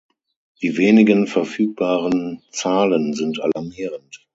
Die wenigen verfügbaren Zahlen sind alarmierend.